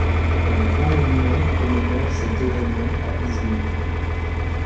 Un grand monument commémore cet événement à Izmir.